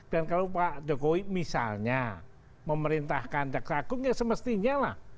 dan kalau pak jokowi misalnya memerintahkan jakarta aku tidak semestinya